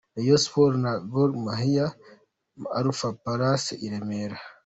Rayon Sports na Gor Mahia muri Alpha Palace i Remera.